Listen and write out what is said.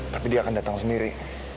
tapi dia akan datang sendiri